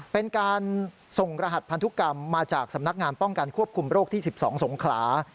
เป็นการส่งรหัสพันธุกรรมมาจากสำนักงานป้องกันควบคุมโรคที่๑๒สงขลา